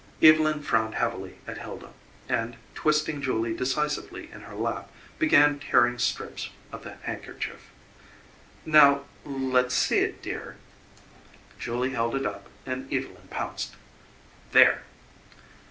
Evylyn frowned heavily at Hilda, and twisting Julie decisively in her lap, began tearing strips of the handkerchief. "Now let's see it, dear." Julie held it up and Evelyn pounced. "There!"